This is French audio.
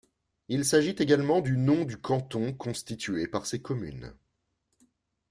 Il s'agit également du nom du canton constitué par ces communes.